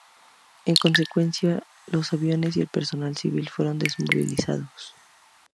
En consecuencia los aviones y el personal civil fueron desmovilizados.